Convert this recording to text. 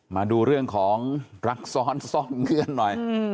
มาดูเรื่องของรักซ้อนซ่อนเงื่อนหน่อย